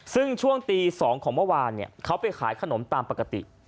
ซึ่งช่วงตี๒ของเมื่อวานเขาไปขายขนมตามปกติ